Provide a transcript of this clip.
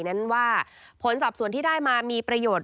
นั้นว่าผลสอบส่วนที่ได้มามีประโยชน์